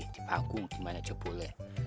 di panggung dimana aja boleh